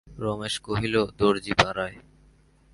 রমেশ কহিল, দরজিপাড়ায়।